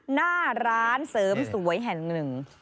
หน้าร้านเสริมสวยแห่งหนึ่ง